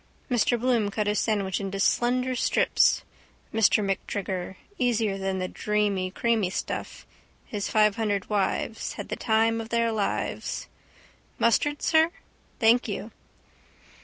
Mr Bloom cut his sandwich into slender strips. Mr MacTrigger. Easier than the dreamy creamy stuff. His five hundred wives. Had the time of their lives. —Mustard, sir? —Thank you.